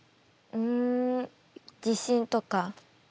ん自信とか。